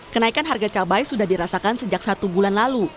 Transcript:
kenaikan harga cabai sudah dirasakan sejak satu bulan lalu